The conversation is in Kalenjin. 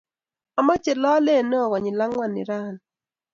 Ameche lolet me oo konyil angwan nirani